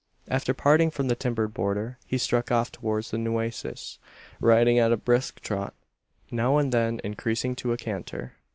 After parting from the timbered border, he struck off towards the Nueces; riding at a brisk trot now and then increasing to a canter.